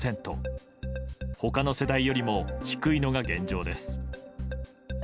他の世代よりも低いのが現状です。